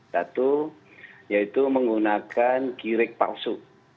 satu yaitu menggunakan kirik palsu